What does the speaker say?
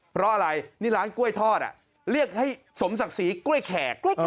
เพราะอะไรนี่ร้านกล้วยทอดเรียกให้สมศักดิ์ศรีกล้วยแขก